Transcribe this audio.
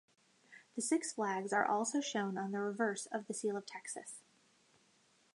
The six flags are also shown on the reverse of the Seal of Texas.